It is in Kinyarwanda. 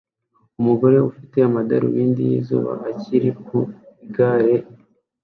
Umugore ufite amadarubindi yizuba ari ku igare k